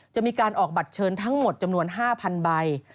จะมีการออกบัตรเชิญทั้งหมดจำนวน๕๐๐ใบ